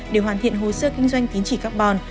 để hoàn thiện hồ sơ kinh doanh tính trị carbon